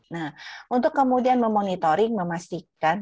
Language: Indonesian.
nah untuk kemudian memonitoring memastikan